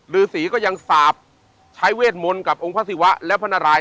ฤษีก็ยังสาปใช้เวทมนต์กับองค์พระศิวะและพระนาราย